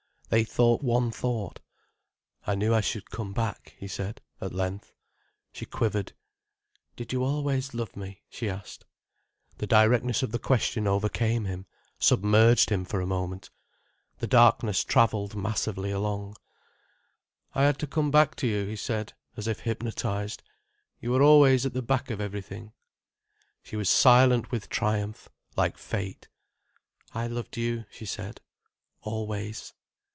They thought one thought. "I knew I should come back," he said at length. She quivered. "Did you always love me?" she asked. The directness of the question overcame him, submerged him for a moment. The darkness travelled massively along. "I had to come back to you," he said, as if hypnotized. "You were always at the back of everything." She was silent with triumph, like fate. "I loved you," she said, "always."